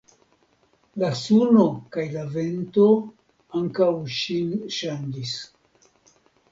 La suno kaj la vento ankaŭ ŝin ŝanĝis.